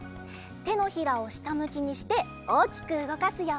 てのひらをしたむきにしておおきくうごかすよ。